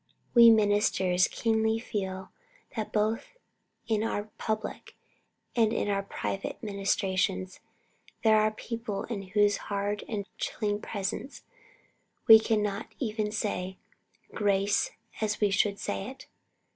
We ministers keenly feel that both in our public and in our private ministrations. There are people in whose hard and chilling presence we cannot even say grace as we should say it.